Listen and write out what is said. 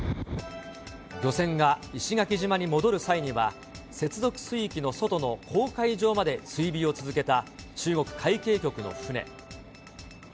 漁船が石垣島に戻る際には、接続水域の外の公海上まで追尾を続けた中国海警局の船。